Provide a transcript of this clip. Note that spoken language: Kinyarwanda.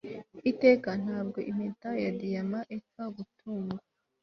iteka ntabwo impeta ya diyama, ipfa gutungwa